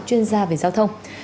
chuyên gia về giao thông